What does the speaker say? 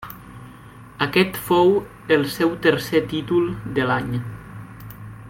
Aquest fou el seu tercer títol de l'any.